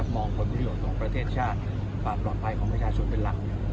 มองผลประโยชน์ของประเทศชาติความปลอดภัยของประชาชนเป็นหลัก